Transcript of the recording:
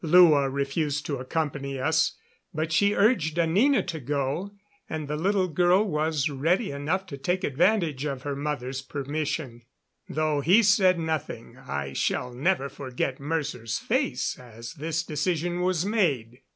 Lua refused to accompany us; but she urged Anina to go, and the little girl was ready enough to take advantage of her mother's permission. Though he said nothing, I shall never forget Mercer's face as this decision was made.